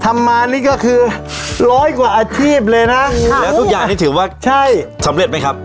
ทำมานี่ก็คือร้อยกว่าอาชีพเลยนะแล้วทุกอย่างนี้ถือว่าใช่สำเร็จไหมครับ